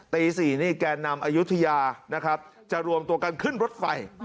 ตี๔แกนนำอยุธยาจะรวมตัวกันขึ้นรถไฟ